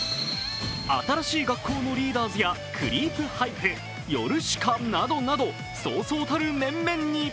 新しい学校のリーダーズやクリープハイプ、ヨルシカなどなど、そうそうたる面々に。